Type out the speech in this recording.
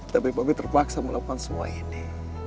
tapi kami terpaksa melakukan semua ini